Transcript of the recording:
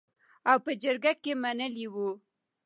او په جرګه کې منلې وو .